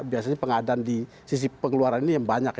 biasanya pengadaan di sisi pengeluaran ini yang banyak